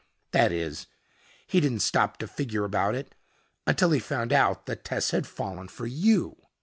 That is he didn't stop to figure about it until he found out that Tess had fallen for you."